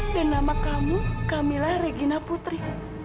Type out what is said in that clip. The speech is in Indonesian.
dan nama kamu kamilah regina putri